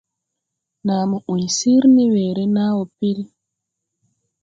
Naa mo ‘ũy sir ne weere nàa wɔ pel.